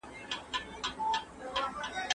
هغه وویل چي اسلام منځلارې لاره غوره کړې ده.